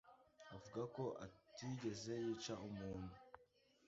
avuga ko atigeze yica umuntu.